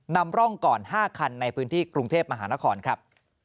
นำร่องก่อน๕คันในพื้นที่กรุงเทพมหานครครับ